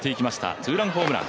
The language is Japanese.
ツーランホームラン。